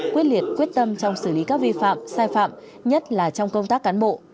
quyết liệt quyết tâm trong xử lý các vi phạm sai phạm nhất là trong công tác cán bộ